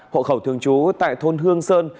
hộ khẩu thường chú tại thôn hương sơn